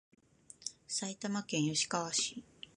埼玉県吉川市